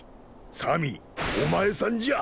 サミーお前さんじゃ！